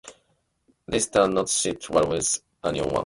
This does not sit well with anyone.